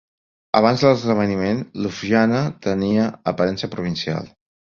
Abans de l'esdeveniment, Ljubljana tenia aparença provincial.